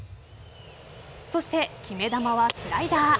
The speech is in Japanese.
そして決め球はスライダー。